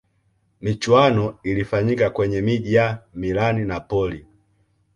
michuano ilifanyika kwenye miji ya milan napoli